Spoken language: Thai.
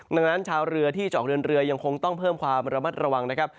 ดังนั้นชาวเรือที่เจาะเรือนเรือยังคงต้องเพิ่มความระมัดระวังนะครับ